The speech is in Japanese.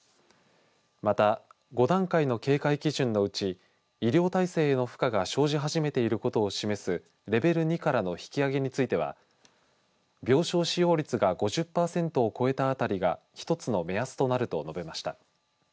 また、５段階の警戒基準のうち医療体制の負荷が生じ始めていることを示すレベル２からの引き上げについては病床使用率が５０パーセントを超えたあたりが１つの目安となると述べました。